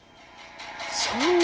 そんな。